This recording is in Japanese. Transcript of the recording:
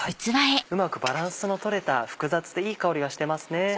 うまくバランスの取れた複雑でいい香りがしてますね。